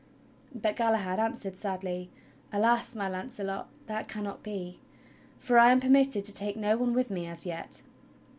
But Galahad answered sadly: "Alas! my Launcelot, that cannot be, for I am permitted to take no one with me as yet."